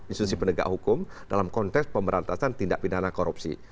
institusi penegak hukum dalam konteks pemberantasan tindak pidana korupsi